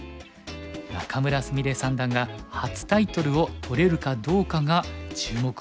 仲邑菫三段が初タイトルを取れるかどうかが注目を集めましたよね。